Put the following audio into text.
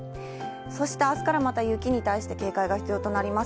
そしてあすからまた雪に対して警戒が必要となります。